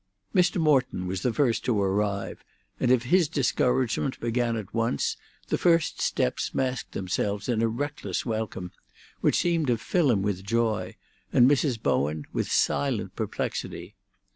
Mr. Morton was the first to arrive, and if his discouragement began at once, the first steps masked themselves in a reckless welcome, which seemed to fill him with joy, and Mrs. Bowen with silent perplexity.